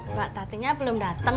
mbak tatinya belum datang